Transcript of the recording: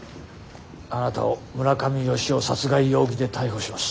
あなたを村上好夫殺害容疑で逮捕します。